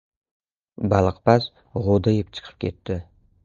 Baliqpaz g‘o‘dayib chiqib ketdi.